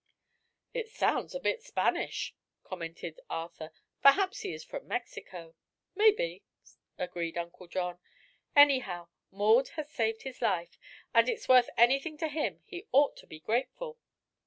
"It sounds a bit Spanish," commented Arthur. "Maybe he is from Mexico." "Maybe," agreed Uncle John. "Anyhow, Maud has saved his life, and if it's worth anything to him he ought to be grateful."